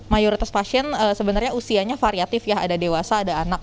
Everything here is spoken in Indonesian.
mayoritas pasien sebenarnya usianya variatif ya ada dewasa ada anak